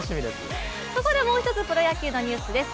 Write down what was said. ここでもう一つプロ野球のニュースです。